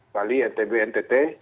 bali etb ntt